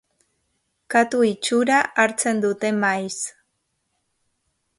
Katu itxura hartzen dute maiz.